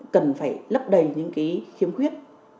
cần phải lấp đầy những cái khiếm khuyết